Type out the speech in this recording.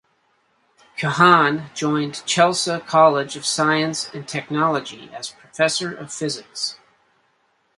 Keohane joined Chelsea College of Science and Technology as Professor of Physics.